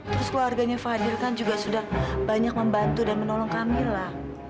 terus keluarganya fadil kan juga sudah banyak membantu dan menolong kami lah